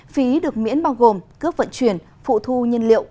phí được miễn bao gồm cướp vận chuyển phụ thu nhân liệu